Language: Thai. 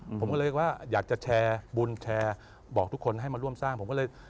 ผมก็เลยว่าอยากจะแชร์บุญแชร์บอกทุกคนให้มาร่วมสร้างผมก็เลย